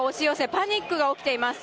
パニックが起きています。